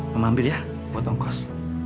mama ambil ya buat ongkos